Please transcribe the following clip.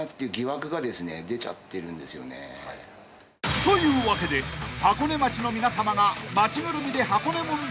というわけで箱根町の皆さまが］